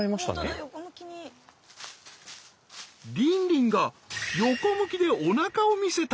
リンリンが横向きでおなかを見せた。